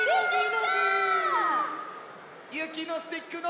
ゆきのスティックの。